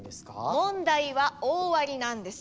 問題は大ありなんです。